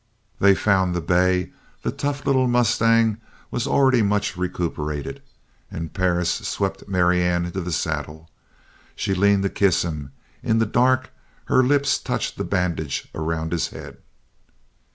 They found the bay. The tough little mustang was already much recuperated, and Perris swept Marianne into the saddle. She leaned to kiss him. In the dark her lips touched the bandage around his head.